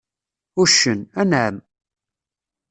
Uccen: Anεam.